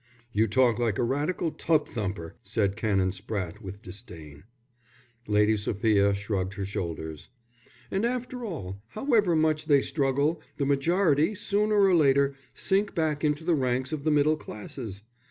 "You talk like a Radical tub thumper," said Canon Spratte, with disdain. Lady Sophia shrugged her shoulders. "And after all, however much they struggle, the majority, sooner or later, sink back into the ranks of the middle classes.